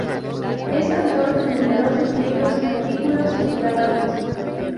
Es autor de numerosos libros, artículos y trabajos.